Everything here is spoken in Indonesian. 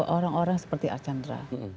orang orang seperti arkanra